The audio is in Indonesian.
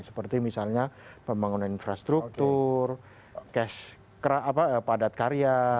seperti misalnya pembangunan infrastruktur padat karya